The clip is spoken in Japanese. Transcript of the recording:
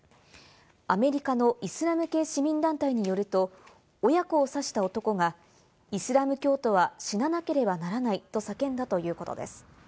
アメリカのイスラム系市民団体によると、親子を刺した男がイスラム教徒は死ななければならないと叫んだということです。